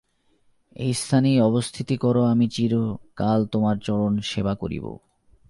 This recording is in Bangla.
এই স্থানেই অবস্থিতি কর আমি চির কাল তোমার চরণ সেবা করিব।